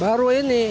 baru hari ini